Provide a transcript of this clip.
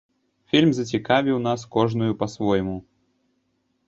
Фільм зацікавіў нас кожную па-свойму.